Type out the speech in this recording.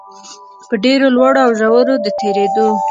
په ډېرو لوړو او ژورو د تېرېدو